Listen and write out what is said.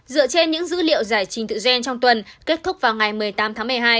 dựa trên những dữ liệu giải trình tự gen trong tuần kết thúc vào ngày một mươi tám tháng một mươi hai